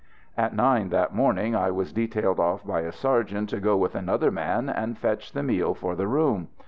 At nine that morning I was detailed off by a sergeant to go with another man and fetch the meal for the room.